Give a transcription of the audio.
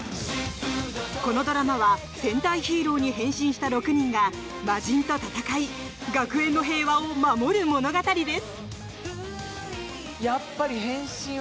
このドラマは戦隊ヒーローに変身した６人が魔人と戦い学園の平和を守る物語です。